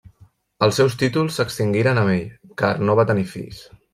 Els seus títols s'extingiren amb ell, car no va tenir fills.